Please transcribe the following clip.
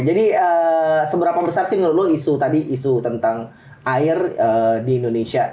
jadi seberapa besar sih menurut lo isu tadi isu tentang air di indonesia